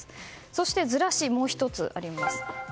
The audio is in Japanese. そしてずらし、もう１つあります。